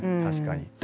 確かに。